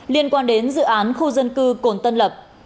liên quan đến dự án khu dân cư cồn tân lập